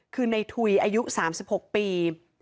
คือในถุยอายุ๓๖ปี